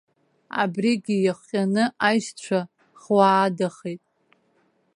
Абригьы иахҟьаны аишьцәа хуаадахеит.